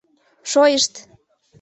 — Шойышт!